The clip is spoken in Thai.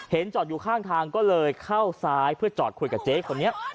จอดอยู่ข้างทางก็เลยเข้าซ้ายเพื่อจอดคุยกับเจ๊คนนี้